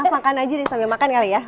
terus makan aja deh sambil makan kali ya